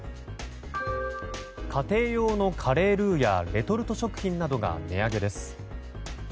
家庭用のカレールウやレトルト食品などが値上げです。